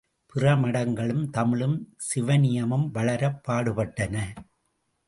பிற மடங்களும் தமிழும் சிவனியமும் வளரப் பாடுபட்டன.